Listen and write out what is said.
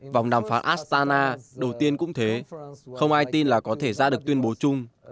vòng đàm phán astana đầu tiên cũng thế không ai tin là có thể ra được tuyên bố chung